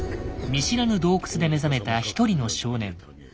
見知らぬ洞窟で目覚めた一人の少年。